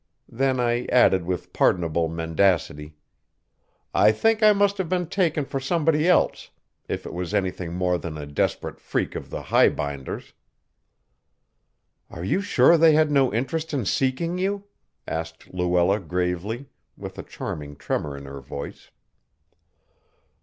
Then I added with pardonable mendacity: "I think I must have been taken for somebody else, if it was anything more than a desperate freak of the highbinders." "Are you sure they had no interest in seeking you?" asked Luella gravely, with a charming tremor in her voice.